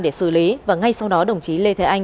để xử lý và ngay sau đó đồng chí lê thế anh